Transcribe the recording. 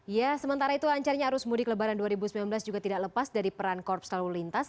ya sementara itu lancarnya arus mudik lebaran dua ribu sembilan belas juga tidak lepas dari peran korps lalu lintas